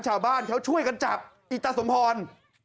ชาวบ้านเขาช่วยกันจับอิตาสมพร